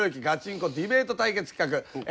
ガチンコディベート対決企画。